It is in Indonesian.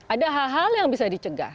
ada hal hal yang bisa dicegah